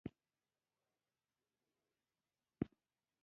فریدګله دا خلک څوک دي او ته چېرې روان یې